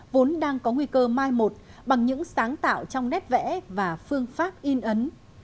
vốn đang có nguy cơ mai một bằng những sáng tạo trong nét vẽ và phương pháp in ấn